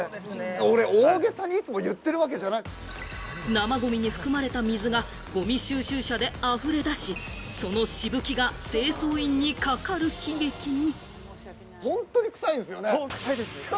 生ごみに含まれた水がゴミ収集車で溢れ出し、そのしぶきが清掃員にかかる悲劇に。